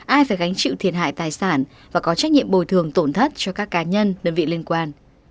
ai phải gánh chịu thiệt hại tài sản và có trách nhiệm bồi thường tổn thất cho các cá nhân đơn vị liên quan